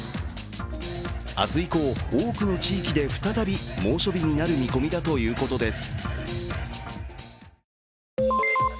明日以降、多くの地域で再び猛暑日になる見込みだということです。